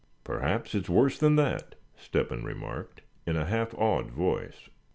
"Perhaps it's worse than that," Step hen remarked, in a half awed voice.